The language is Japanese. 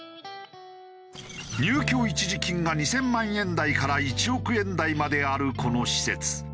入居一時金が２０００万円台から１億円台まであるこの施設。